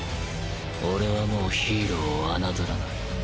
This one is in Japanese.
俺はもうヒーローを侮らない。